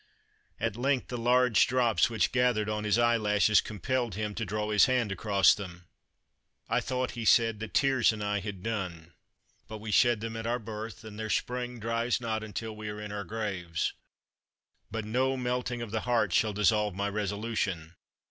At length, the large drops which gathered on his eye lashes compelled him to draw his hand across them. "I thought," he said, "that tears and I had done; but we shed them at our birth, and their spring dries not until we are in our graves. But no melting of the heart shall dissolve my resolution.